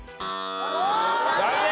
残念。